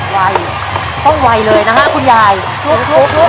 ไวต้องไวเลยนะคะคุณยายลุกลุกลุกลุกลุก